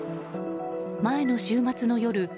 前の週末の夜